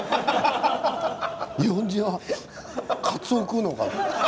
「日本人はカッツオ食うのか？」。